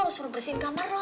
lo suruh bersihin kamar lo